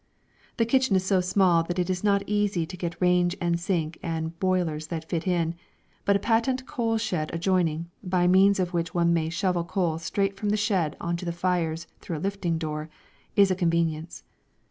The kitchen is so small that it is not easy to get range and sink and boilers fitted in, but a patent coal shed adjoining, by means of which one may shovel coal straight from the shed on to the fires through a lifting door, is a convenience.